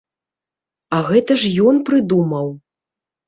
А гэта ж ён прыдумаў.